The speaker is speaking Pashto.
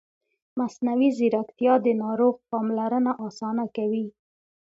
مصنوعي ځیرکتیا د ناروغ پاملرنه اسانه کوي.